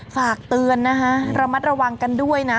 ฝากเตือนนะคะระมัดระวังกันด้วยนะ